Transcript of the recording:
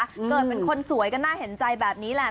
เกิดเป็นคนสวยก็น่าเห็นใจแบบนี้แหละ